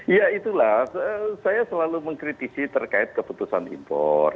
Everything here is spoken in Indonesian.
ya itulah saya selalu mengkritisi terkait keputusan impor